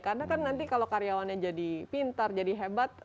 karena kan nanti kalau karyawannya jadi pintar jadi hebat